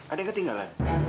ada yang ketinggalan